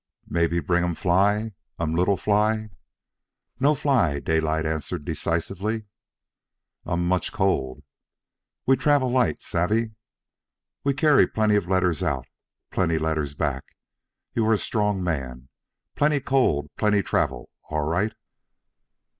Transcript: Mebbe bring um fly? um little fly?" "No fly," Daylight answered decisively. "Um much cold." "We travel light savvee? We carry plenty letters out, plenty letters back. You are strong man. Plenty cold, plenty travel, all right."